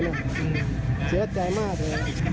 เสียใจมากเลย